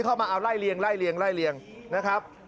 เข้ามาเอาไล่เรียงนะครับ